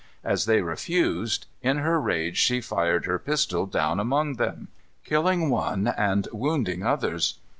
As they refused, in her rage she fired her pistol down among them, killing one and wounding others.